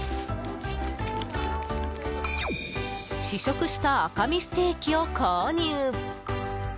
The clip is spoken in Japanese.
試食した赤身ステーキを購入。